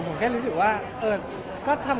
ผมแค่รู้สึกว่า